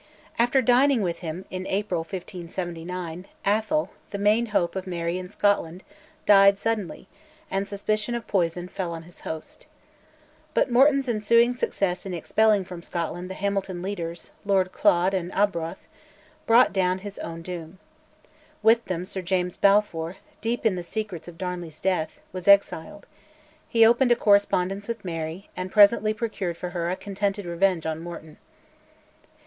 After dining with him, in April 1579, Atholl, the main hope of Mary in Scotland, died suddenly, and suspicion of poison fell on his host. But Morton's ensuing success in expelling from Scotland the Hamilton leaders, Lord Claude and Arbroath, brought down his own doom. With them Sir James Balfour, deep in the secrets of Darnley's death, was exiled; he opened a correspondence with Mary, and presently procured for her "a contented revenge" on Morton.